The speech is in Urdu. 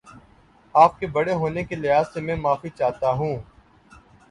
آپ کے بڑے ہونے کے لحاظ سے میں معافی چاہتا ہوں